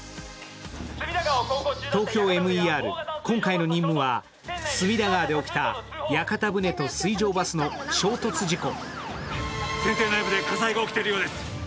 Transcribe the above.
ＴＯＫＹＯＭＥＲ、今回の任務は隅田川で起きた屋形船と水上バスの衝突事故。